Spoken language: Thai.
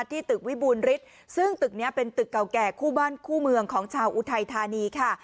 ที่ตึกวิบูรณฤทธิ์ซึ่งตึกนี้เป็นตึกเก่าแก่คู่บ้านคู่เมืองของชาวอุทัยธานีค่ะ